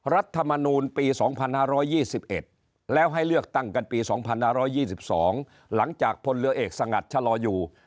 รัฐมนูลปี๒๕๒๑แล้วให้เลือกตั้งกันปี๒๕๒๒หลังจากพลเรือเอกสงัดชะลออยู่